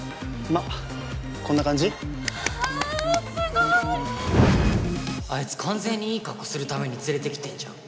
わぁすごいすごいあいつ完全にいい格好するために連れてきてんじゃん